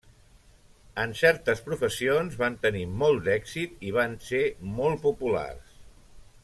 En certes professions van tenir molt d'èxit i van ser molt populars.